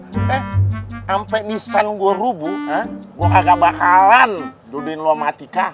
selesai itu gue gak bakalan duduin lo sama atika